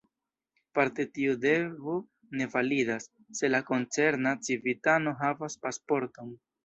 Parte tiu devo ne validas, se la koncerna civitano havas pasporton.